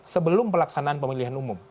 sebelum pelaksanaan pemilihan umum